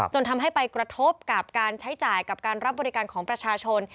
จนทำให้ไปกระทบกับการใช้จ่ายกับการรับบริการของประชาชน